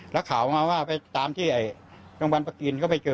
แล้วข่าวมาว่าไปตามที่โรงพยาบาลประกินก็ไปเจอ